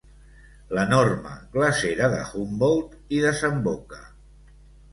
L'enorme glacera de Humboldt hi desemboca.